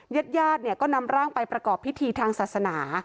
ญาติญาติเนี่ยก็นำร่างไปประกอบพิธีทางศาสนา